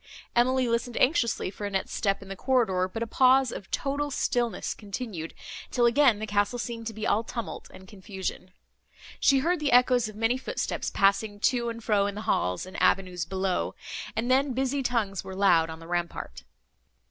Emily listened anxiously for Annette's step in the corridor, but a pause of total stillness continued, till again the castle seemed to be all tumult and confusion. She heard the echoes of many footsteps, passing to and fro in the halls and avenues below, and then busy tongues were loud on the rampart.